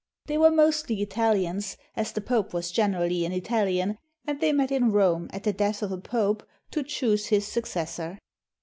They were mostly Italians, as the Pope was generally an Italian, and they met in Rome at the death of a Pope to choose his successor.